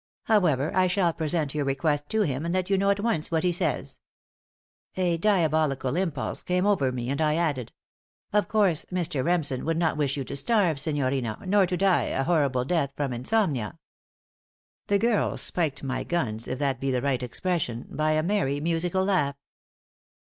However, I shall present your request to him and let you know at once what he says." A diabolical impulse came over me, and I added: "Of course, Mr. Remsen would not wish you to starve, signorina, nor to die a horrible death from insomnia." The girl spiked my guns if that be the right expression by a merry, musical laugh.